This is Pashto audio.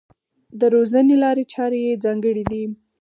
د روزنې لارې چارې یې ځانګړې دي.